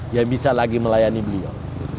yang bisa lagi melayani beliau